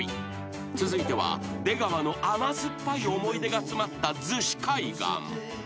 ［続いては出川の甘酸っぱい思い出が詰まった逗子海岸］